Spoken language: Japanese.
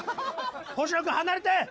星野くん離れて！